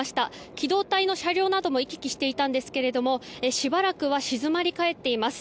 機動隊の車両なども行き来していたんですがしばらくは静まり返っています。